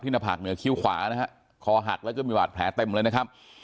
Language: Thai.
หน้าผากเหนือคิ้วขวานะฮะคอหักแล้วก็มีบาดแผลเต็มเลยนะครับ